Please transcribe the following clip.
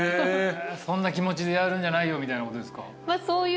そんな気持ちでやるんじゃないよみたいな？